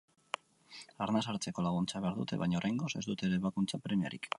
Arnasa hartzeko laguntza behar dute, baina oraingoz ez dute ebakuntza premiarik.